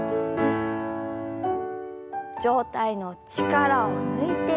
上体の力を抜いて前。